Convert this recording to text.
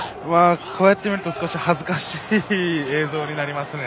こうやって見ると少し恥ずかしい映像になりますね。